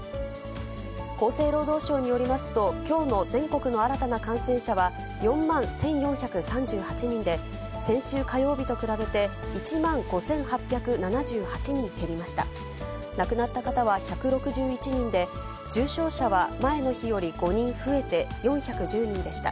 厚生労働省によりますと、きょうの全国の新たな感染者は４万１４３８人で、先週火曜日と比べて１万５８７８人減りました。